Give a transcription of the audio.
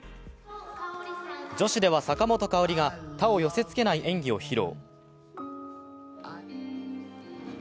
女子では、坂本花織が他を寄せつけない演技を披露。